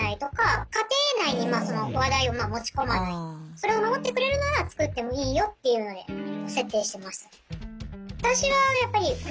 それを守ってくれるならつくってもいいよっていうので設定してました。